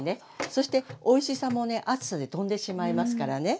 そしておいしさもね熱さで飛んでしまいますからね。